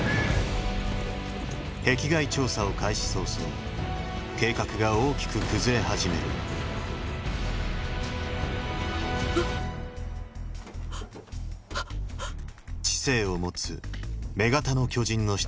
壁外調査を開始早々計画が大きく崩れ始める知性を持つ「女型の巨人」の出現である。